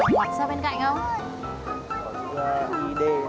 tiến đạt nguyễn